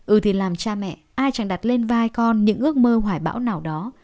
ư thì làm cha mẹ ai chẳng đặt lên vai con những ước mơ hoài bão nào đó